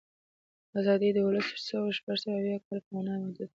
آزادي د اوولسسوهشپږاویا کال په معنا محدوده وه.